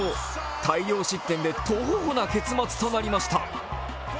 大量失点でトホホな結末となりました。